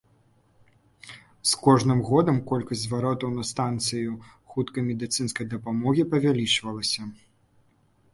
З кожным годам колькасць зваротаў на станцыю хуткай медыцынскай дапамогі павялічвалася.